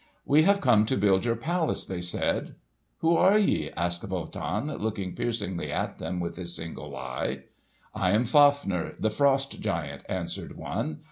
"We have come to build your palace," they said. "Who are ye?" asked Wotan, looking piercingly at them with his single eye. "I am Fafner, the frost giant," answered one.